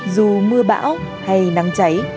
dù mưa bão hay nắng cháy